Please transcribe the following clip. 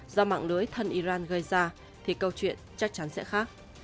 do mạng lưới thân iran gây ra thì câu chuyện chắc chắn sẽ khác